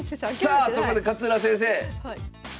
さあそこで勝浦先生！